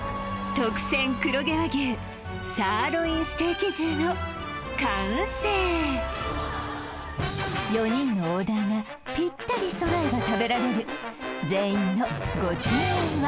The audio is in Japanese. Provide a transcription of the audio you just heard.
特選黒毛和牛サーロインステーキ重の完成４人のオーダーがぴったり揃えば食べられる全員のご注文は？